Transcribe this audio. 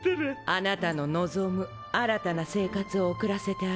あなたの望む新たな生活を送らせてあげる。